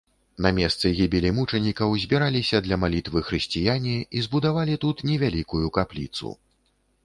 На месцы гібелі мучанікаў збіраліся для малітвы хрысціяне і збудавалі тут невялікую капліцу.